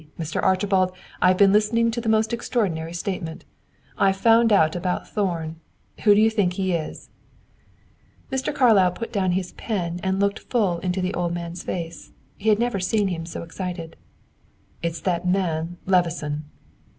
Mr. Archibald, I have been listening to the most extraordinary statement. I have found out about Thorn. Who do you think he is?" Mr. Carlyle put down his pen and looked full in the old man's face; he had never seen him so excited. "It's that man, Levison."